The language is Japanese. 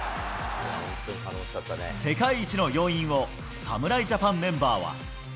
世界一の要因を、侍ジャパンメンバーは。